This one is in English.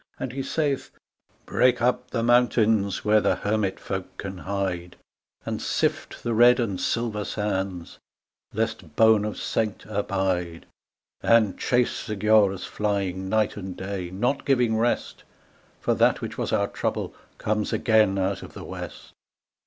And he saith, " Break up the mountains where the hermit folk can hide, And sift the red and silver sands lest bone of saint abide, And chase the Giaours flying night and day, not giving rest, For that which was our trouble comes again out of the west.